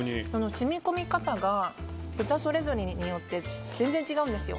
染み込み方が豚それぞれによって全然違うんですよ。